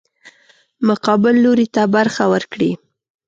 مقابل لوري ته برخه ورکړي.